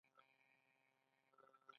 نړۍ پرمختګ کوي